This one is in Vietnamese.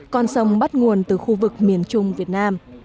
con sông bắt nguồn từ khu vực miền trung việt nam